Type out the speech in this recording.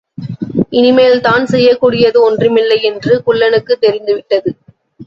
இனிமேல் தான், செய்யக்கூடியது ஒன்றுமில்லை என்று குள்ளனுக்குத் தெரிந்துவிட்டது.